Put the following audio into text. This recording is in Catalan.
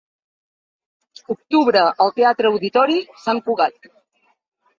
Octubre al Teatre-Auditori Sant Cugat.